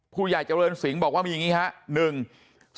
ผู้ใหญ่เจริญสิงห์บอกว่ามีอย่างนี้ครับ